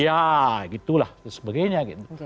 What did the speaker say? ya gitu lah sebagainya gitu